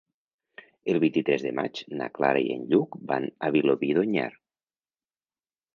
El vint-i-tres de maig na Clara i en Lluc van a Vilobí d'Onyar.